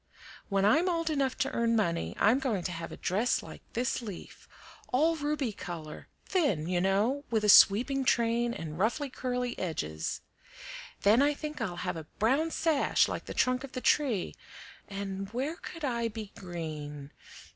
When I'm old enough to earn money, I'm going to have a dress like this leaf, all ruby color thin, you know, with a sweeping train and ruffly, curly edges; then I think I'll have a brown sash like the trunk of the tree, and where could I be green?